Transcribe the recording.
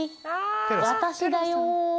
私だよ！